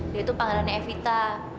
dia tuh pangeran evita